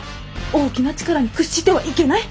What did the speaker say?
大きな力に屈してはいけない！